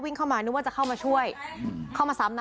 วิ่งเข้ามานึกว่าจะเข้ามาช่วยเข้ามาสับนะ